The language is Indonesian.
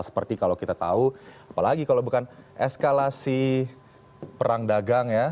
seperti kalau kita tahu apalagi kalau bukan eskalasi perang dagang ya